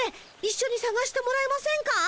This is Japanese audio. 一緒にさがしてもらえませんか？